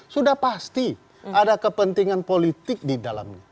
sudah pasti ada kepentingan politik di dalamnya